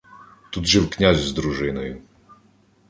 Тут жив князь з дружиною.